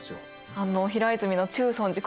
あの平泉の中尊寺金色堂